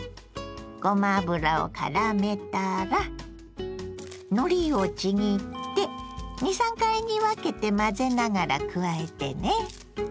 ごま油をからめたらのりをちぎって２３回に分けて混ぜながら加えてね。